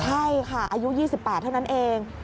ใช่ค่ะอายุ๒๘เท่านั้นเอง